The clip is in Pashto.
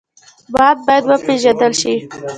باد باید وپېژندل شي